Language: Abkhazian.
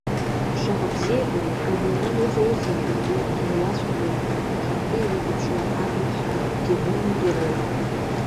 Шаҟа бзиабара, гәыблра рыҵоузеи абыржәы инуацәажәарашәа хыхьынтәи иухәаԥшуа аби ԥҳаи Кимони Перои.